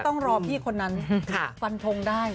ต้องรอพี่คนนั้นฟันทงได้